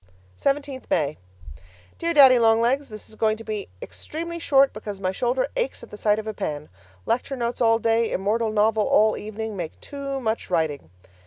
17th May Dear Daddy Long Legs, This is going to be extremely short because my shoulder aches at the sight of a pen. Lecture notes all day, immortal novel all evening, make too much writing.